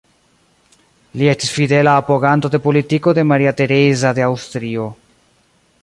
Li estis fidela apoganto de politiko de Maria Tereza de Aŭstrio.